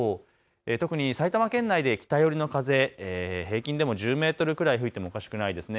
特に埼玉県内で北寄りの風、平均でも１０メートルくらい吹いてもおかしくないですね。